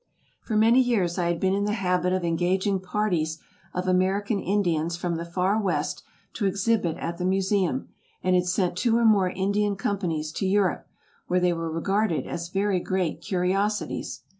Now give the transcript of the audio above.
For many years I had been in the habit of engaging parties of American Indians from the far West to exhibit at the Museum, and had sent two or more Indian companies to Europe, where they were regarded as very great "curiosities."